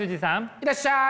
いらっしゃい！